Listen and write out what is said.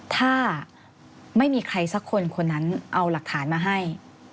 ถ้าไม่มีใครสักคนคนนั้นเอาหลักฐานมาให้